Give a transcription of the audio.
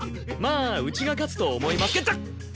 まあうちが勝つと思いますけど！